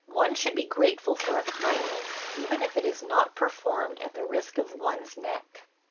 One should be grateful for a kindness, even if it is not performed at the risk of one's neck."